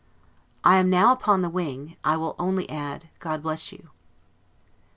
As I am now upon the wing, I will only add, God bless you!